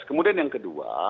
kemudian yang kedua